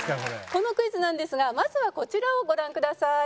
このクイズなんですがまずはこちらをご覧ください。